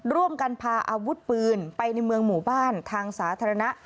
ร่วมกันพาอาวุธปืนไปในเมืองหมู่บ้านทางสาธารณะ